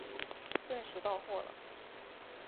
顿时到货了